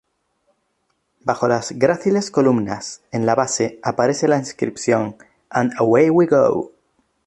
Bajo las gráciles columnas, en la base, aparece la inscripción "And Away We Go".